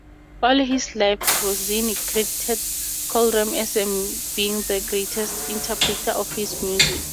All his life Rossini credited Colbran as being the greatest interpreter of his music.